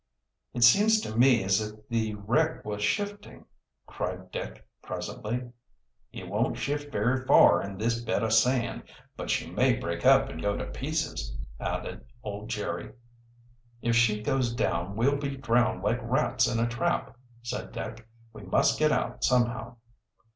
"It seems to me as if the wreck was shifting," cried Dick presently. "It won't shift very far in this bed o' sand, lad. But she may break up and go to pieces," added old Jerry. "If she goes down, we'll be drowned like rats in a trap," said Dick. "We must get out somehow."